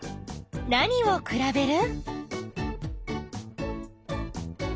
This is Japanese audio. なにをくらべる？